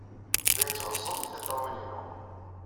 La iyi-ttɣeẓẓent tiṭṭawin-inu.